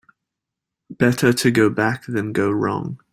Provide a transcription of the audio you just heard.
Better to go back than go wrong.